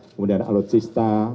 kemudian laut sista